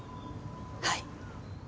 はい。